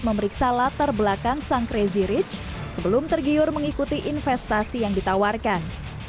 memeriksa latar belakang sang crazy rich sebelum tergiur mengikuti investasi yang ditawarkan